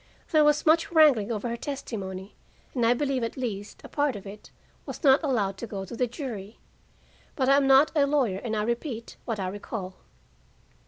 There was much wrangling over her testimony, and I believe at least a part of it was not allowed to go to the jury. But I am not a lawyer, and I repeat what I recall.